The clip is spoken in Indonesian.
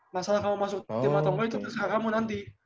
masalah kamu masuk ke tim atau mau itu sekarang mau nanti